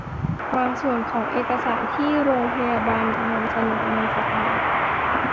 บางส่วนของเอกสารที่โรมพยายามนำเสนอในสภา